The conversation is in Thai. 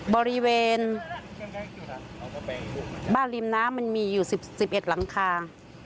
บริเวณบ้านริมน้ำมันมีอยู่๑๑หลังคา